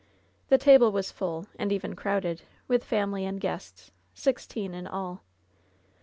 The table was full, and even crowded, with family and guests — sixteen in all.